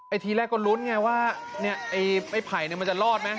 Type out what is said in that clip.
ไอ้ทีแรกก็รุ้นไงว่าเนี่ยไอ้ไผ่เนี่ยมันจะรอดไหม